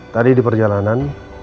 tadi di perjalanan